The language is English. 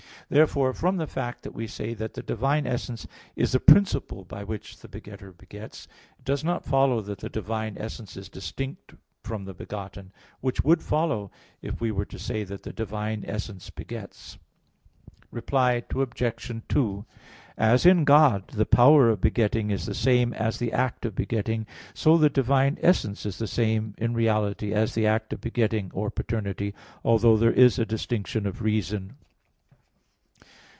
Therefore, from the fact that we say that the divine essence "is the principle by which the Begetter begets," it does not follow that the divine essence is distinct (from the Begotten): which would follow if we were to say that the divine essence begets. Reply Obj. 2: As in God, the power of begetting is the same as the act of begetting, so the divine essence is the same in reality as the act of begetting or paternity; although there is a distinction of reason.